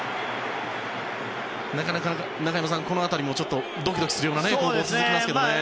なかなか、中山さんこの辺りもちょっとドキドキするような攻防が続きますね。